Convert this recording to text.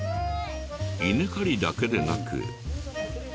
稲刈りだけでなく。